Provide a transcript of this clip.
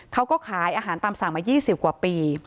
เขาก็ขายอาหารตามสั่งมา๒๐กว่าปี